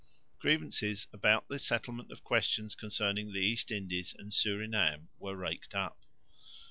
Grievances about the settlement of questions concerning the East Indies and Surinam were raked up.